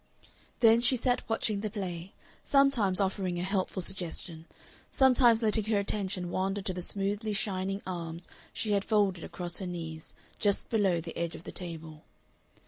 Then she sat watching the play, sometimes offering a helpful suggestion, sometimes letting her attention wander to the smoothly shining arms she had folded across her knees just below the edge of the table.